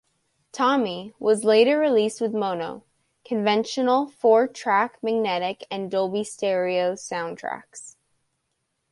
"Tommy" was later released with mono, conventional four-track magnetic and Dolby Stereo soundtracks.